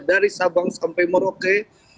dari sabang sampai merauke